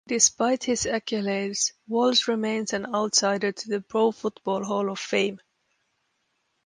Despite his accolades, Walls remains an outsider to the Pro Football Hall of Fame.